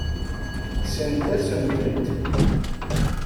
Kksent-asent-tent.